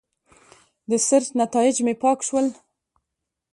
د سرچ نیتایج مې پاک شول.